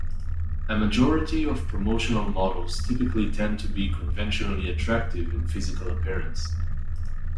A majority of promotional models typically tend to be conventionally attractive in physical appearance.